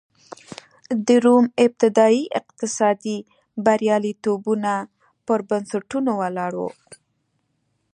د روم ابتدايي اقتصادي بریالیتوبونه پر بنسټونو ولاړ و